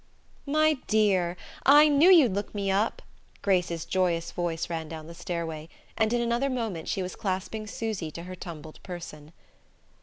"My dear! I knew you'd look me up," Grace's joyous voice ran down the stairway; and in another moment she was clasping Susy to her tumbled person.